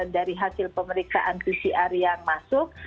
dari hasil pemeriksaan pcr yang masuk